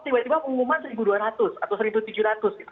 tiba tiba pengumuman seribu dua ratus atau seribu tujuh ratus gitu